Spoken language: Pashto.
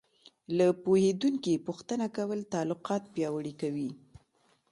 له پوهېدونکي پوښتنه کول تعلقات پیاوړي کوي.